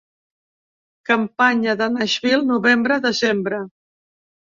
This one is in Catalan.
Campanya de Nashville, novembre-desembre.